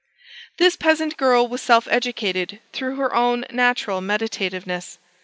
This peasant girl was self educated through her own natural meditativeness.